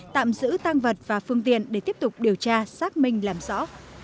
tạm giữ tăng vật và phương tiện để tiếp tục điều tra xác minh làm rõ